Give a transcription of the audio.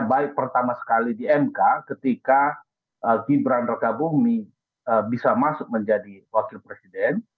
baik pertama sekali di mk ketika gibran raka bumi bisa masuk menjadi wakil presiden